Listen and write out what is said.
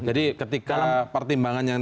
jadi ketika pertimbangan yang